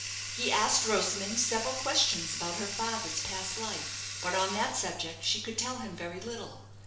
He asked Rosamond several questions about her father's past life; but on that subject she could tell him very little.